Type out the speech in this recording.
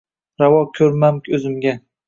Ravo ko’rmamo’zimga